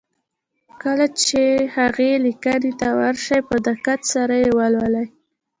کله چې هغې ليکنې ته ور شئ په دقت سره يې ولولئ.